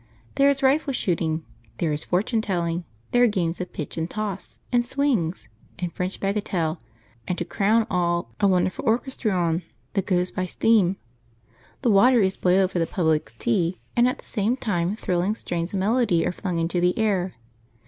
There is rifle shooting, there is fortune telling, there are games of pitch and toss, and swings, and French bagatelle; and, to crown all, a wonderful orchestrion that goes by steam. The water is boiled for the public's tea, and at the same time thrilling strains of melody are flung into the air.